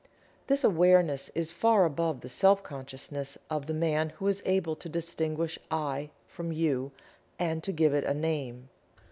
This "awareness" is far above the Self consciousness of the man who is able to distinguish "I" from "You," and to give it a name.